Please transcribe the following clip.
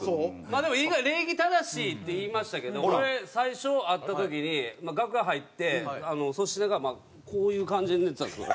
でも今「礼儀正しい」って言いましたけど俺最初会った時に楽屋入って粗品がこういう感じで寝てたんですよ。